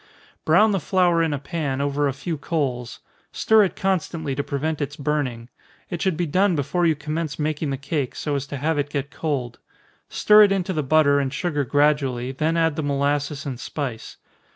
Brown the flour in a pan, over a few coals stir it constantly to prevent its burning. It should be done before you commence making the cake, so as to have it get cold. Stir it into the butter and sugar gradually, then add the molasses and spice.